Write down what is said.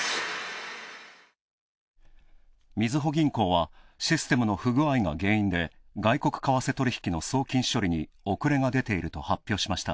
みずほ銀行はシステムの不具合が原因で外国為替取引の送金処理に遅れが出ていると発表しました。